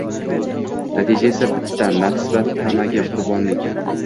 Natija esa bitta: nafs va tamaga qurbonlik.